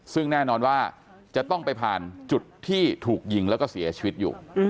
ซึ่งแน่นอนว่าจะต้องไปผ่านจุดที่ถูกยิงแล้วก็เสียชีวิตอยู่